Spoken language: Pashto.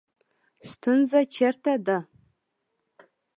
ستونزه چېرته ده